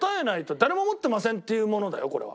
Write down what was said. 誰も持ってませんっていうものだよこれは。